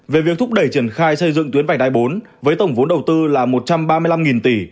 về việc thúc đẩy triển khai xây dựng tuyến vành đai bốn với tổng vốn đầu tư là một trăm ba mươi năm tỷ